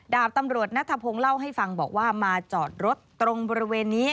ดาบตำรวจนัทพงศ์เล่าให้ฟังบอกว่ามาจอดรถตรงบริเวณนี้